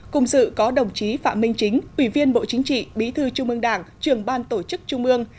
cùng dự có đồng chí phạm minh chính ủy viên bộ chính trị bí thư trung ương đảng trường ban tổ chức trung ương